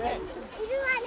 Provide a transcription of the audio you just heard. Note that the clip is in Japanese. いるわね。